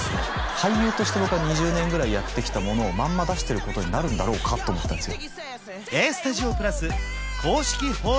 俳優として２０年ぐらいやってきたものをまんま出してることになるんだろうかと思ったんですよ